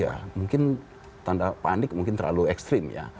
ya mungkin tanda panik mungkin terlalu ekstrim ya